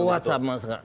kuat sama sekali